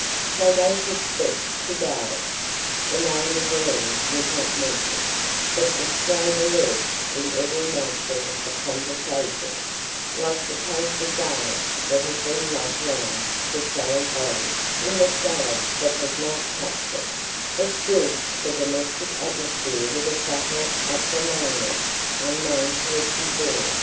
So they took steps to guard it. The name of Breen was not mentioned, but its flavour lurked in every mouthful of conversation, like the taste of garlic that has been rubbed round the salad bowl in the salad that has not touched it; it filled the domestic atmosphere with a subtle acrimoniousness unknown to it before.